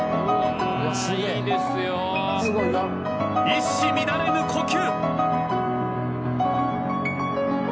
一糸乱れぬ呼吸。